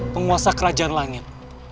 penguasa kerajaan langit